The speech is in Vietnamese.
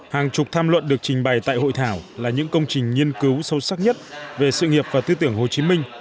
hàng chục tham luận được trình bày tại hội thảo là những công trình nghiên cứu sâu sắc nhất về sự nghiệp và tư tưởng hồ chí minh